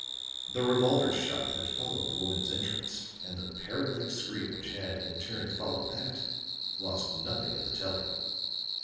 The revolver shot that had followed the woman's entrance and the parrot like scream which had, in turn, followed that, lost nothing in the telling.